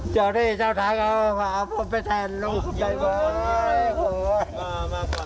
เจ้าที่เจ้าทักเอาพร้อมไปแทนลูกใจพ่ยหลานก็หลับไห้